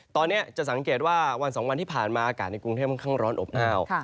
ตอนนี้จะสังเกตว่าวัน๒วันที่ผ่านมาอากาศในกรุงเทพค่อนข้างร้อนอบอ้าว